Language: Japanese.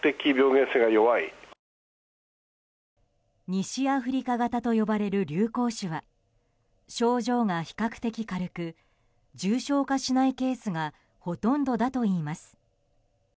西アフリカ型と呼ばれる流行種は症状が比較的軽く重症化しないケースがほとんどだといいます。